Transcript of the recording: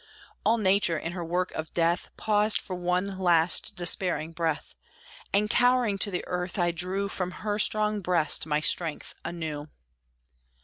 All Nature, in her work of death, Paused for one last, despairing breath; And, cowering to the earth, I drew From her strong breast my strength anew.